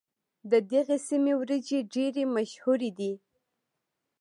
د دغې سيمې وريجې ډېرې مشهورې دي.